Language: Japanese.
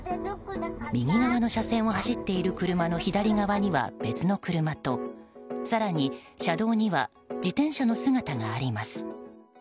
右側の車線を走っている車の左側には、別の車と更に車道には自転車の姿があります。